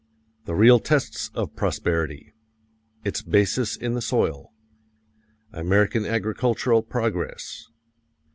The real tests of prosperity. Its basis in the soil. American agricultural progress.